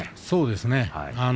そうですね。